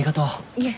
いえ。